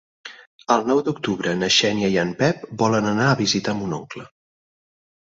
El nou d'octubre na Xènia i en Pep volen anar a visitar mon oncle.